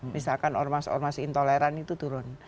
misalkan ormas ormas intoleran itu turun